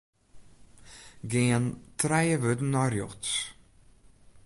Gean trije wurden nei rjochts.